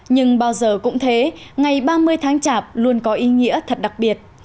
nhưng bao giờ cũng thế ngày ba mươi tháng chạp luôn có ý nghĩa thật đặc biệt